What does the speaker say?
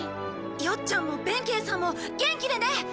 よっちゃんも弁慶さんも元気でね！